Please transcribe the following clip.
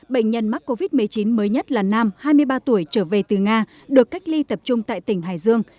bệnh nhân mắc covid một mươi chín mới nhất là nam hai mươi ba tuổi trở về từ nga được cách ly tập trung tại tỉnh hải dương